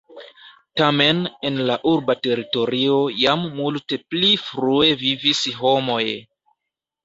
Tamen en la urba teritorio jam multe pli frue vivis homoj.